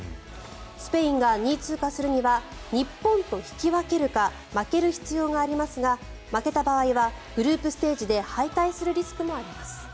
スペインが２位通過するには日本と引き分けるか負ける必要がありますが負けた場合はグループステージで敗退するリスクもあります。